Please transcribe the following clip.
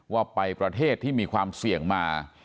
ว่าไปประเทศที่มีความเสี่ยงมา